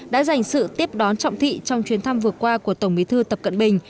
đã dành sự tiếp đón trọng thị trong chuyến thăm vừa qua của tổng bí thư tập cận bình